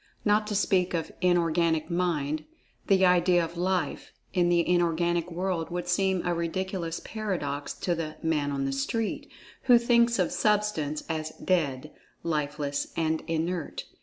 Not to speak of Inorganic "Mind," the idea of "Life" in the Inorganic World would seem a ridiculous paradox to the "man on the street" who thinks of Substance as "dead," lifeless and inert.